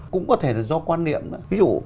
cũng có thể là do quan niệm ví dụ